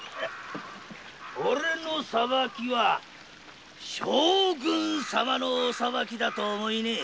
オレの裁きは「将軍様のお裁き」だと思いねぇ。